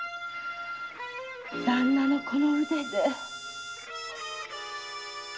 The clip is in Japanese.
旦那のこの腕で。